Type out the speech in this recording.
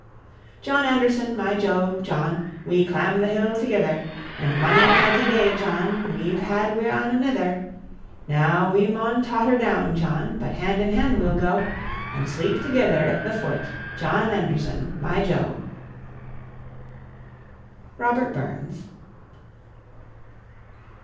John Anderson, my jo, John, We clamb the hill thegither, And mony a canty day, John, We've had wi' ane anither; Now we maun totter down, John, But hand in hand we'll go, And sleep thegither at the foot, John Anderson, my jo. ROBERT BURNS.